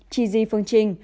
chị di phương trình